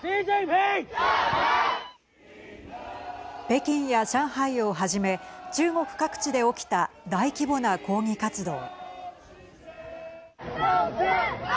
北京や上海をはじめ中国各地で起きた大規模な抗議活動。